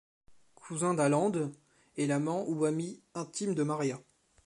Cousin d'Allende, et l'amant ou ami intime de María.